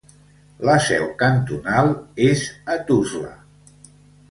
La seu cantonal és a Tuzla.